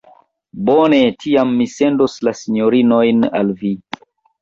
Bone, tiam mi sendos la sinjorinojn al vi.